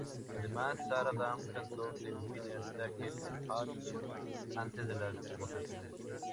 Además, Sarah Dawn cantó "The Winner Takes It All" antes de las votaciones.